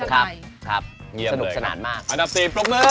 ครับเยี่ยมเลยสนุกสนานมากอันดับ๔พรุ่งมือ